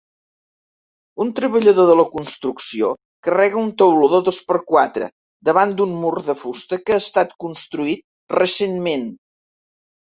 Un treballador de la construcció carrega un tauló de dos per quatre davant d'un mur de fusta que ha estat construït recentment.